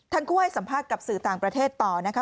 ทั้งคู่ให้สัมภาษณ์กับสื่อต่างประเทศต่อนะคะ